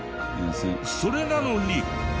それなのに。